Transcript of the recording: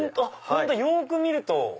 本当よく見ると。